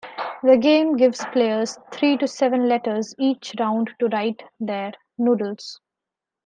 The game gives players three to seven letters each round to write their Noodles.